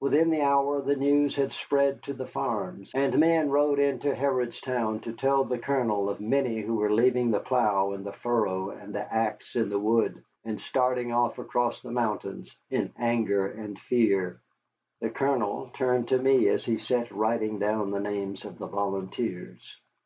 Within the hour the news had spread to the farms, and men rode in to Harrodstown to tell the Colonel of many who were leaving the plough in the furrow and the axe in the wood, and starting off across the mountains in anger and fear. The Colonel turned to me as he sat writing down the names of the volunteers.